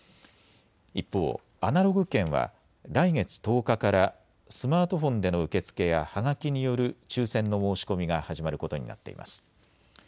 一方、アナログ券は来月１０日からスマートフォンでの受け付けやはがきによる抽せんの申し込みが始まることになっています。